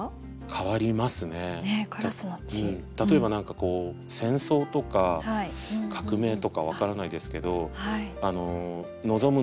例えば何かこう戦争とか革命とか分からないですけど望む